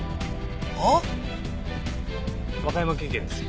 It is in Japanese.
はっ？和歌山県警です。